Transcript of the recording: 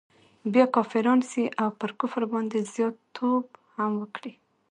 بیا کافران سي او پر کفر باندي زیات توب هم وکړي.